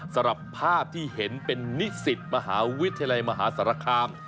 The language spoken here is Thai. สำหรับภาพที่เห็นเป็นนิสิตมหาวิทยาลัยมหาสารคาม